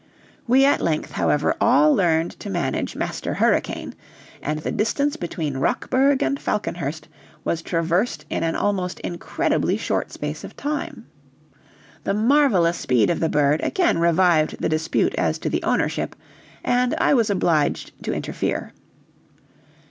We at length, however, all learned to manage Master Hurricane, and the distance between Rockburg and Falconhurst was traversed in an almost incredibly short space of time. The marvelous speed of the bird again revived the dispute as to the ownership, and I was obliged to interfere.